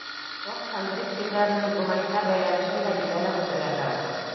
— ШОС һәм БРИКС илдәренең гуманитар бәйләнешен дә билдәләп үтергә кәрәк.